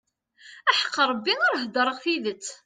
Aḥeqq Rebbi ar d-heddṛeɣ tidet.